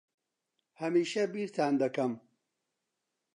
ھەمیشە بیرتان دەکەم.